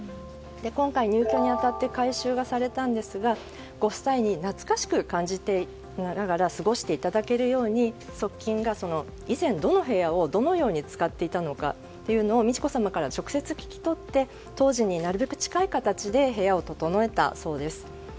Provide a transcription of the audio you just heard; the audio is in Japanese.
今回入居に当たって改修がされたんですがご夫妻に懐かしく感じながら過ごしていただけるように側近が以前どの部屋をどのように使っていたのかを美智子さまから直接聞き取って当時になるべく近い形で部屋を整えたそうです。